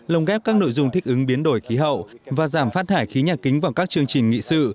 lồng ghép các nội dung thích ứng biến đổi khí hậu và giảm phát thải khí nhà kính vào các chương trình nghị sự